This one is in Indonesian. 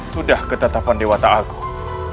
sudah ketetapan dewata agung